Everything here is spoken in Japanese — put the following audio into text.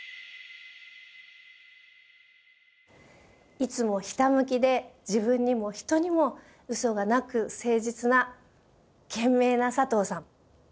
いつもひたむきで自分にも人にもウソがなく誠実な賢明な佐藤さん。